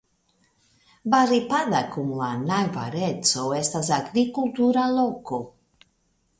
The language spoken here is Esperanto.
Baripada kun la najbareco estas agrikultura loko.